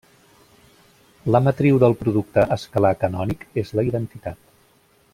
La matriu del producte escalar canònic és la identitat.